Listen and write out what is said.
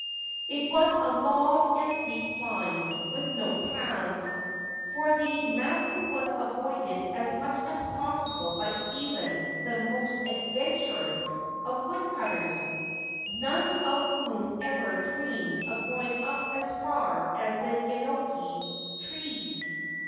It was a long and steep climb, with no paths, for the mountain was avoided as much as possible by even the most adventurous of woodcutters, none of whom ever dreamed of going up as far as the Yenoki tree.